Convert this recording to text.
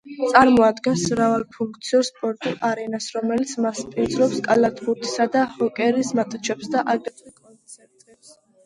წარმოადგენს მრავალფუნქციურ სპორტულ არენას, რომელიც მასპინძლობს კალათბურთისა და ჰოკეის მატჩებს და აგრეთვე კონცერტებს.